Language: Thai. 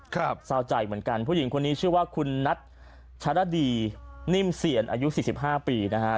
เศร้าใจเหมือนกันผู้หญิงคนนี้ชื่อว่าคุณนัทชรดีนิ่มเซียนอายุสี่สิบห้าปีนะฮะ